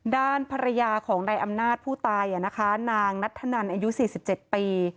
ด้านภรรยาของนายอำนาจผู้ตายนะคะนางนัทธนันอายุ๔๗ปี